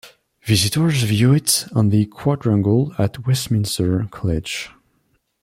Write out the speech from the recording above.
Visitors view it on the quadrangle at Westminster College.